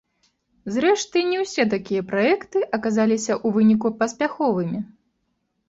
Зрэшты, не ўсе такія праекты аказаліся ў выніку паспяховымі.